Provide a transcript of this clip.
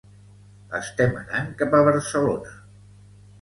Estem anant cap a Barcelona.